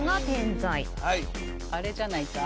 あれじゃないか？